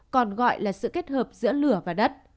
còn gọi là sự kết hợp giữa lửa và đất